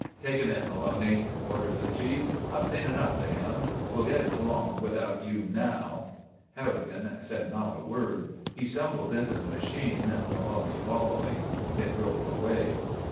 "Take him in, Maloney," ordered the Chief. "I've seen enough of him. We'll get along without you now." Harrigan said not a word. He stumbled into the machine, Maloney following. It drove away.